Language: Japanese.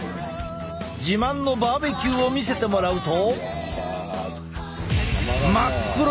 自慢のバーベキューを見せてもらうと。